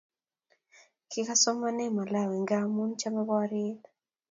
kikasomaene malawi ngamun kichame poryet